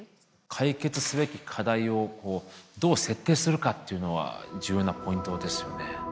解決すべき課題をどう設定するかっていうのは重要なポイントですよね。